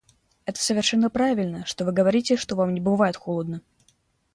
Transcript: Это совершенно правильно, что вы говорите, что вам не бывает холодно.